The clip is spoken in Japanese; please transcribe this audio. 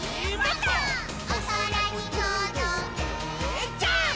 「おそらにとどけジャンプ！！」